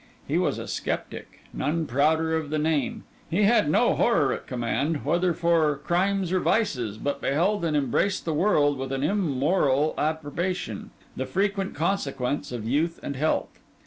He was a sceptic, none prouder of the name; he had no horror at command, whether for crimes or vices, but beheld and embraced the world, with an immoral approbation, the frequent consequence of youth and health.